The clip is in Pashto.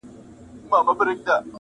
مسئلې به ډېري ختمي شي ایثاره